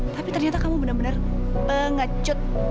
tapi ternyata kamu bener bener pengecut